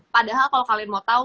padahal kalau kalian mau tahu